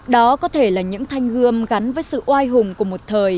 đó có thể là những thanh hương gắn với sự oai hùng của một thời